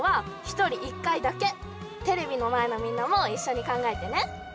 テレビのまえのみんなもいっしょにかんがえてね。